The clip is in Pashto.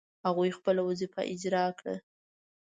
هغوی خپله وظیفه اجرا کړه.